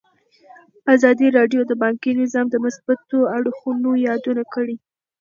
ازادي راډیو د بانکي نظام د مثبتو اړخونو یادونه کړې.